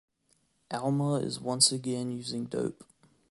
Alma is once again using dope.